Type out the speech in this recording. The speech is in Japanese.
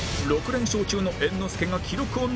６連勝中の猿之助が記録を伸ばすか？